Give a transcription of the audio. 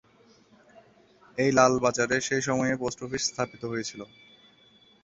এই লাল বাজারে সেই সময়ে পোস্ট অফিস স্থাপিত হয়েছিল।